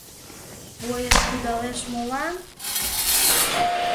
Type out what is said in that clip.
Поезд кудалеш молан?